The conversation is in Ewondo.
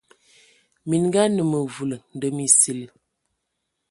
Minga anə məvul ndəm esil.